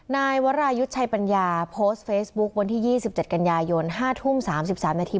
นายวรายุทธ์ชัยปัญญาโพสต์เฟซบุ๊ควันที่๒๗กันยายน๕ทุ่ม๓๓นาที